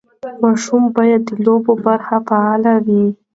ماشوم باید د لوبو برخه کې فعال وي.